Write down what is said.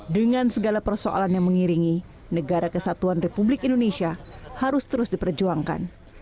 dengan segala persoalan yang mengiringi negara kesatuan republik indonesia harus terus diperjuangkan